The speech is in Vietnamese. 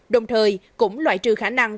đồng thời cũng loại trừ khả năng